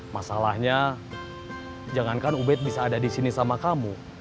masalahnya jangankan ubed bisa ada disini sama kamu